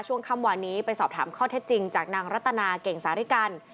ช่วงค่ำวานนี้ไปสอบถามข้อเท็จจริงจากนางรัตนาเก่งสาริกัน